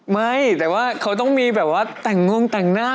ไม่แต่ว่าเขาต้องมีแบบว่าแต่งงแต่งหน้า